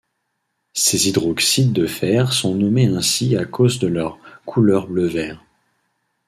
Ces hydroxydes de fer sont nommés ainsi à cause de leur couleur bleu-vert.